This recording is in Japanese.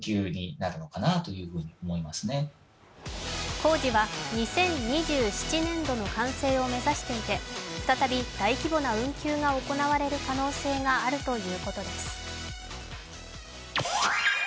工事は２０２７年度の完成を目指していて再び大規模な運休が行われる可能性があるということです。